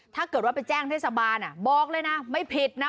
ถ้าเกิดว่าไปแจ้งเทศบาลบอกเลยนะไม่ผิดนะ